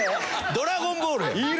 『ドラゴンボール』やん。